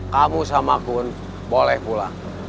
kamu sama pun boleh pulang